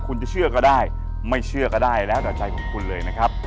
คุณจะเชื่อก็ได้ไม่เชื่อก็ได้แล้วแต่ใจของคุณเลยนะครับ